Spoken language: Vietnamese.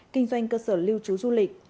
kinh doanh cơ sở lưu trú du lịch